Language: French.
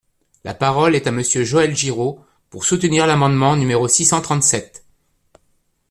La parole est à Monsieur Joël Giraud, pour soutenir l’amendement numéro six cent trente-sept.